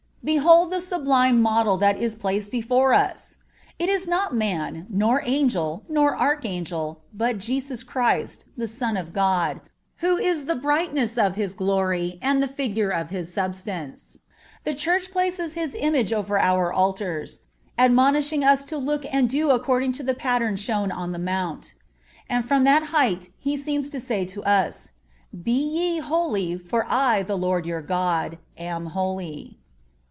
Behold the sublime Model that is placed before us! It is not man, nor angel, nor archangel, but Jesus Christ, the Son of God, "who is the brightness of His glory, and the figure of His substance."(31) The Church places His image over our altars, admonishing us to "look and do according to the pattern shown on the Mount."(32) And from that height He seems to say to us: "Be ye holy, for I the Lord your God am holy."